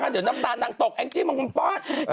เดี๋ยวน้ำตาลนางตกแองจี้มาคุณป้อน